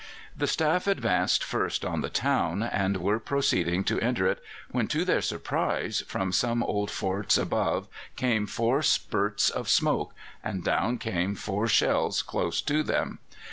The staff advanced first on the town, and were proceeding to enter it, when, to their surprise, from some old forts above came four spirts of smoke, and down came four shells close to them.